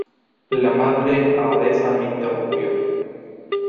la Madre Abadesa me interrumpió: